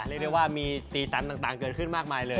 เรียกได้ว่ามีสีสันต่างเกิดขึ้นมากมายเลย